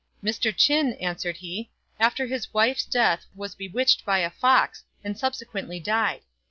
" Mr. Ch'in," answered he, " after his wife's death was bewitched by a fox, and subsequently died.